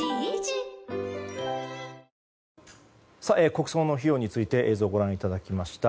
国葬の費用について映像をご覧いただきました。